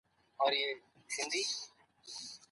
بهرنۍ پالیسي د سیمې د امنیت لپاره مهمه ده.